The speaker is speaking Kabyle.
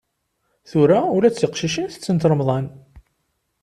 Tura ula d tiqcicin tettent remḍan.